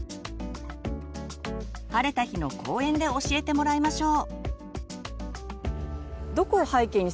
晴れた日の公園で教えてもらいましょう。